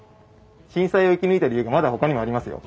震災を生き抜いた理由がまだほかにもありますよ。